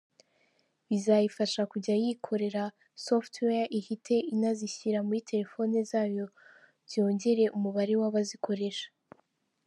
Bizayifasha kujya yikorera software ihite inazashyirira muri telefone zayo byongere umubare w’abazikoresha.